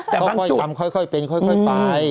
แต่บางจุดเข้าค่อยเป็นค่อยไป